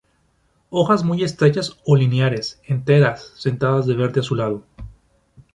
Hojas muy estrechas o lineares, enteras, sentadas de verde azulado.